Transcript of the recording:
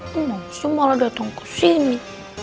kenapa semua orang datang ke sini